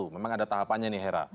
memang ada tahapannya nih hera